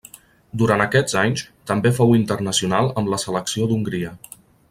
Durant aquests anys també fou internacional amb la selecció d'Hongria.